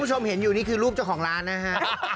คุณผู้ชมเห็นอยู่นี่คือรูปเจ้าของร้านนะฮะ